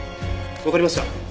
わかりました。